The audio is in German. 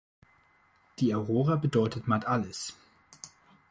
Die Aurora bedeutet Matt alles.